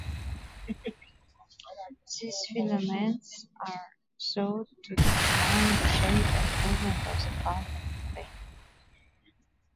These filaments are thought to determine the shape and movement of the plasma membrane.